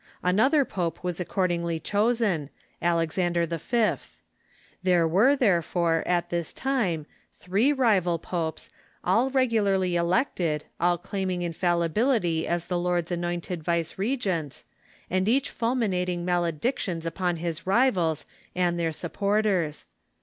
Another pope was accordingly chosen, Alexander V. There were, therefore, at this time, three rival popes, all regularly elected, all claiming infallibil ity as the Lord's anointed vicegerents, and each fulminating maledictions upon his rivals and their supporters.